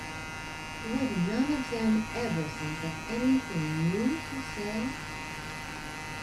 Would none of them ever think of anything new to say?